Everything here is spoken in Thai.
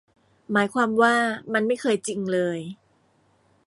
หมายความว่ามันไม่เคยจริงเลย